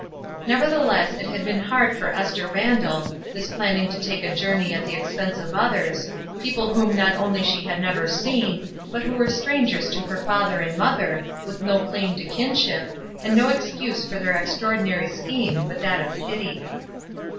Nevertheless it had been hard for Esther 392 ESTER RIED'S NAMESAKE Randall, this planning to take a journey at the expense of others people whom not only she had never seen but who were strangers to her father and mother, with no claim to kinship, and no excuse for their extraordinary scheme but that of pity.